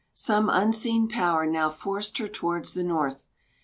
Some unseen power now forced her towards the north.